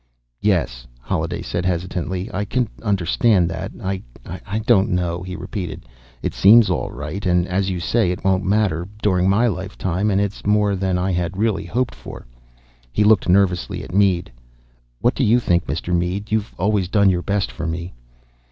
"Yes," Holliday said hesitantly, "I can understand that. I ... I don't know," he repeated. "It seems all right. And, as you say, it won't matter, during my lifetime, and it's more than I had really hoped for." He looked nervously at Mead. "What do you think, Mr. Mead? You've always done your best for me."